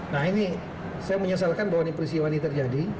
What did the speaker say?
nah ini saya menyesalkan bahwa peristiwa ini terjadi